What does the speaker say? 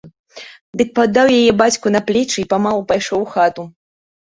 Дык паддаў яе бацьку на плечы й памалу пайшоў у хату.